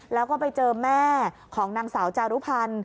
แล้วก็ไปเจอแม่ของนางสาวจารุพันธ์